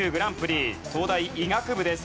東大医学部です。